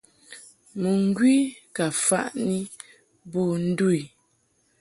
Mɨŋgwi ka faʼni bo ndu i.